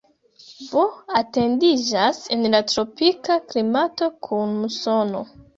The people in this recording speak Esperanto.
Bo etendiĝas en la tropika klimato kun musono.